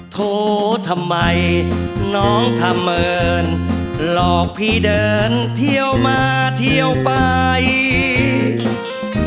โถทำไมน้องทำเมินหลอกพี่เดินเที่ยวมาเที่ยวไป